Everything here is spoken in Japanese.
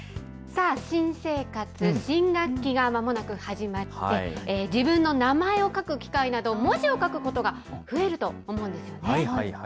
さあ、新生活、新学期がまもなく始まって、自分の名前を書く機会など、文字を書くことが増えると思うんですよね。